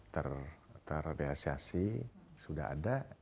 terrealisasi sudah ada